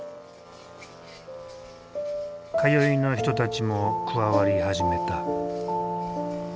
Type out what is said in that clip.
通いの人たちも加わり始めた。